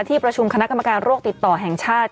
ที่ประชุมคณะกรรมการโรคติดต่อแห่งชาติ